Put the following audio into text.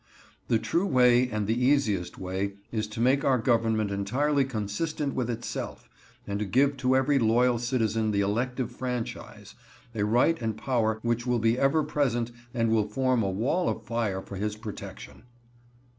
The true way and the easiest way is to make our government entirely consistent with itself, and give to every loyal citizen the elective franchise,—a right and power which will be ever present, and will form a wall of fire for his protection.